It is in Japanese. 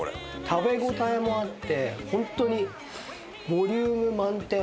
食べ応えもあってホントにボリューム満点。